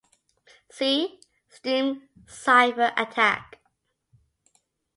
"See" stream cipher attack.